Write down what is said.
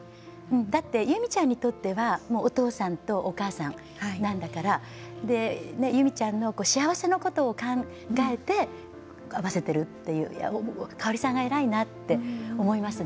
だってユミちゃんにとってはお父さんとお母さんなんだからユミちゃんの幸せのことを考えて会わせているという本当に香さんが偉いなと思います。